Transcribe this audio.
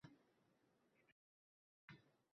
Evoh, yana yetdi tahdid